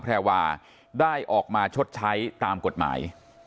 แพรวาได้ออกมาชดใช้ตามกฎหมาย